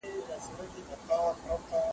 که موهوبه د هبې له منلو انکار وکړي نو څه به وسي؟